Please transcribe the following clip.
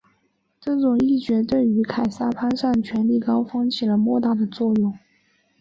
这种议决对于凯撒攀上权力高峰起了莫大的作用。